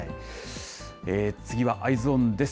次はＥｙｅｓｏｎです。